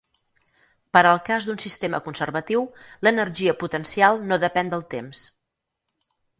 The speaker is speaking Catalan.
Per al cas d'un sistema conservatiu l'energia potencial no depèn del temps.